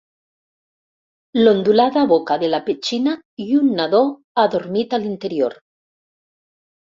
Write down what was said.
L'ondulada boca de la petxina i un nadó adormit a l'interior.